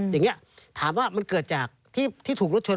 อย่างนี้ถามว่ามันเกิดจากที่ถูกรถชน